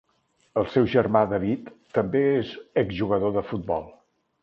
El seu germà David, també és exjugador de futbol.